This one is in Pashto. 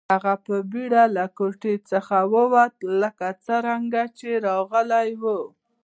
هغه په بیړه له کوټې څخه ووت لکه څنګه چې راغلی و